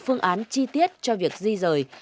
bản chi tiết cho việc di rời